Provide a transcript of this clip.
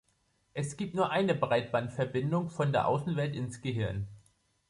Es gibt nur eine Breitbandverbindung von der Außenwelt ins Gehirn.